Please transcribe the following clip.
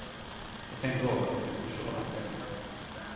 Eg tenkte òg at eg kunne sjå den filmen.